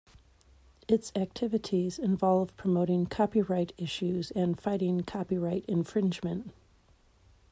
Its activities involve promoting copyright issues and fighting copyright infringement.